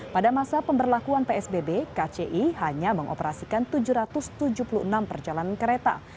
pada masa pemberlakuan psbb kci hanya mengoperasikan tujuh ratus tujuh puluh enam perjalanan kereta